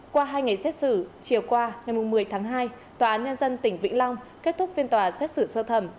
qua hai ngày xét xử chiều qua ngày một mươi tháng hai tòa án nhân dân tỉnh vĩnh long kết thúc phiên tòa xét xử sơ thẩm